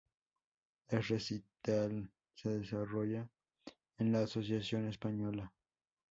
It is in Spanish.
El recital se desarrolló en la Asociación Española.